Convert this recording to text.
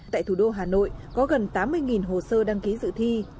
tại thủ đô hà nội có gần tám mươi hồ sơ đăng ký dự thi